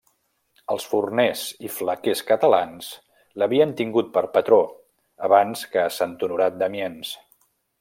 Els forners i flequers catalans l'havien tingut per patró abans que sant Honorat d'Amiens.